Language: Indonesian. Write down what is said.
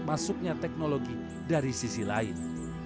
masuknya teknologi dari sisi lain